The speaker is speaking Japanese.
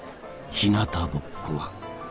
ひなたぼっこは。